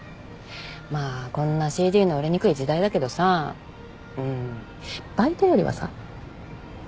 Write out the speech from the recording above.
まあこんなＣＤの売れにくい時代だけどさうんバイトよりはさ。